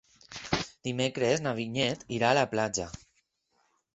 Dimecres na Vinyet irà a la platja.